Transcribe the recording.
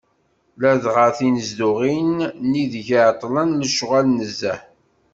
Ladɣa tinezduɣin n ideg εeṭṭlen lecɣal nezzeh.